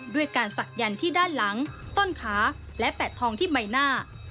ด้วยการศักยันที่ด้านหลังต้นขาและแปะทองที่ใบหน้า